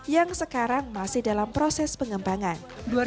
yang sekarang masih dalam proses pengembangan